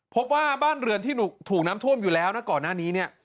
พบว่าบ้านเรือนที่ถูกน้ำท่วมอยู่แล้วนะก่อนหน้านี้เนี่ย